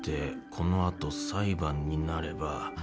このあと裁判になれば